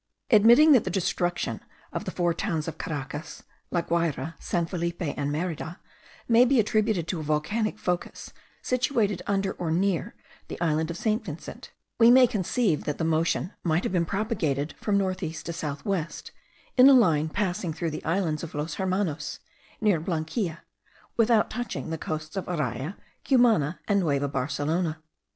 Admitting that the destruction of the four towns of Caracas, La Guayra, San Felipe, and Merida, may be attributed to a volcanic focus situated under or near the island of St. Vincent, we may conceive that the motion might have been propagated from north east to south west in a line passing through the islands of Los Hermanos, near Blanquilla, without touching the coasts of Araya, Cumana, and Nueva Barcelona.